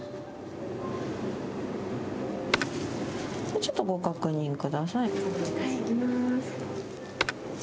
ちょっとご確認ください。